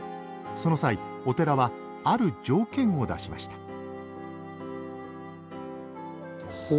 その際お寺はある条件を出しました